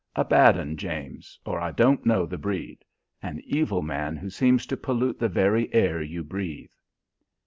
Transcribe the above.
A bad 'un, James, or I don't know the breed. An evil man who seems to pollute the very air you breathe."